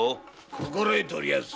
心得ておりやす。